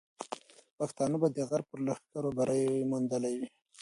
پښتانه به د غرب پر لښکر بری موندلی وي.